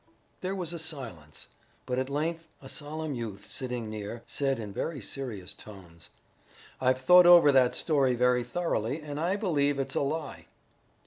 There was a silence, but at length a solemn youth sitting near said in very serious tones: "I've thought over that story very thoroughly, and I believe it's a lie."